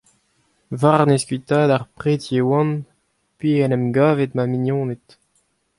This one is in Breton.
War-nes kuitaat ar preti e oan p'eo en em gavet ma mignoned.